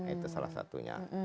itu salah satunya